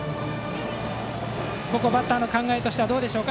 バッターの考えとしてはどうでしょうか。